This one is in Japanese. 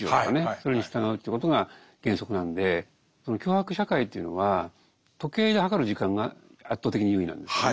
それに従うということが原則なんで強迫社会というのは時計で測る時間が圧倒的に優位なんですよね。